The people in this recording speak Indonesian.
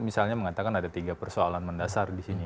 misalnya mengatakan ada tiga persoalan mendasar disini